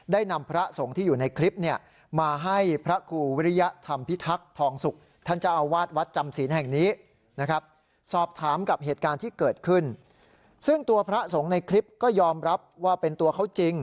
ได้นำพระสงฆ์ที่อยู่ในคลิปมาให้พระครูวิริยธรรมพิทักษ์ทองสุข